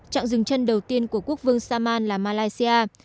trạng rừng chân đầu tiên của quốc vương saman là malaysia